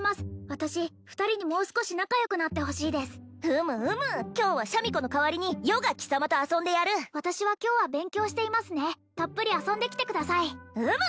私２人にもう少し仲良くなってほしいですうむうむ今日はシャミ子の代わりに余が貴様と遊んでやる私は今日は勉強していますねたっぷり遊んできてくださいうむ！